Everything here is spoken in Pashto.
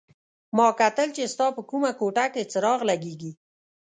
ما کتل چې ستا په کومه کوټه کې څراغ لګېږي.